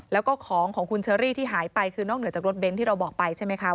แล้วก็ของของคุณเชอรี่ที่หายไปคือนอกเหนือจากรถเน้นที่เราบอกไปใช่ไหมคะ